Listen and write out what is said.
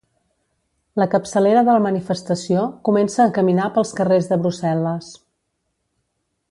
La capçalera de la manifestació comença a caminar pels carres de Brussel·les.